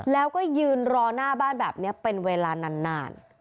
แล้วก็ยืนรอหน้าบ้านแบบนี้เป็นเวลานาน